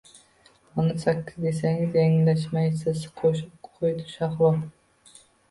-O’n sakkiz desangiz yanglishmaysiz! – Qo’shib qo’ydi Shahlo.